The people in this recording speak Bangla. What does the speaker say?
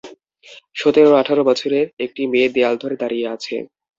সতের-আঠার বছরের একটি মেয়ে দেয়াল ধরে দাঁড়িয়ে আছে।